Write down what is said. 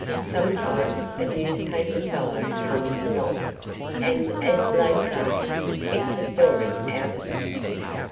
Sometimes a newspaper fellow comes along, and, as they say, 'gets a story' out of it."